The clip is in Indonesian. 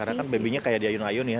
karena kan babynya kayak di ayun ayun ya